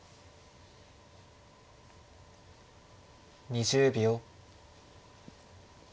２０秒。